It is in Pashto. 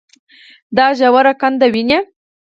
دا ژوره کنده وينې.